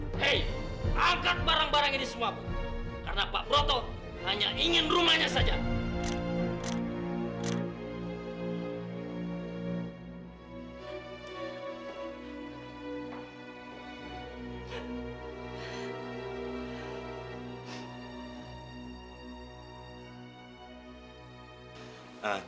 nah dia ada yang melihat kesan di dalam keadaan